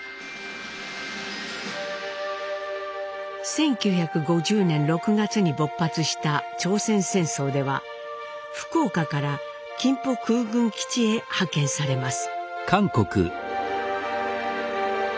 １９５０年６月に勃発した朝鮮戦争では福岡から金浦空軍基地へ派遣されます。